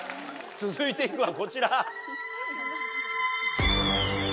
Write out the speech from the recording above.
続いていくわこちら。